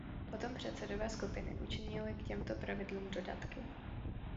Potom předsedové skupiny učinili k těmto pravidlům dodatky.